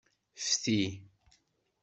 Fti.